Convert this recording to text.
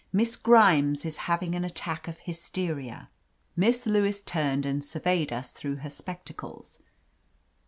Miss Grimes is having an attack of hysteria." Miss Lewis turned and surveyed us through her spectacles.